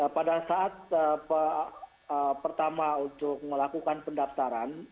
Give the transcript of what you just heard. pada saat pertama untuk melakukan pendaftaran